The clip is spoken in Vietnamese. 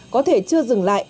có thể chưa dừng lại